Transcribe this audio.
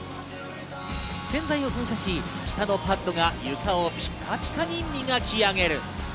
洗剤を噴射し、下のパッドが床をピカピカに磨き上げる。